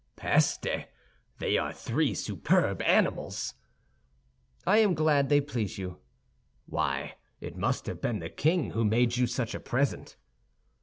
"Peste! They are three superb animals!" "I am glad they please you." "Why, it must have been the king who made you such a present."